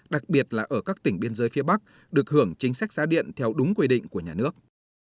đặc biệt là ở các tỉnh biên giới phía bắc được hưởng chính sách giá điện theo đúng quy định của nhà nước